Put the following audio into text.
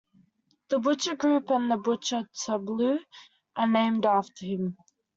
The Butcher group and the Butcher tableau are named after him.